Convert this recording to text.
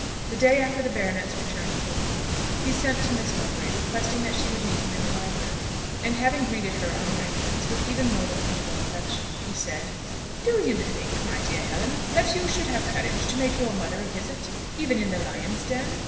The day after the baronet's return to Oakley, he sent to Miss Mowbray, requesting that she would meet him in the library; and having greeted her on her entrance with even more than usual affection, he said, "Do you think, my dear Helen, that you should have courage to make your mother a visit even in the lion's den?